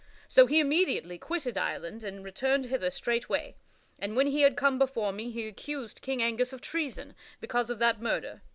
So he immediately quitted Ireland and returned hither straightway, and when he had come before me he accused King Angus of treason because of that murder.